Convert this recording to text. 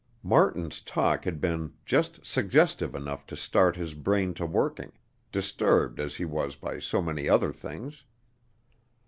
Martin's talk had been just suggestive enough to start his brain to working, disturbed as he was by so many other things.